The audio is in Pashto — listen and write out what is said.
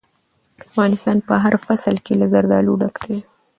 افغانستان په هر فصل کې له زردالو ډک دی.